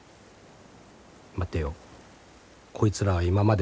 待てよこいつらは今までも見えてた。